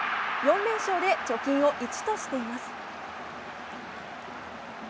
４連勝で貯金を１としています。